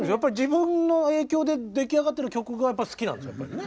自分の影響で出来上がってる曲が好きなんでしょうね。